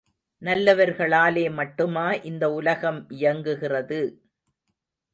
நல்லவர்களாலே மட்டுமா இந்த உலகம் இயங்குகிறது.